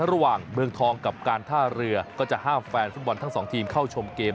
ระหว่างเมืองทองกับการท่าเรือก็จะห้ามแฟนฟุตบอลทั้งสองทีมเข้าชมเกม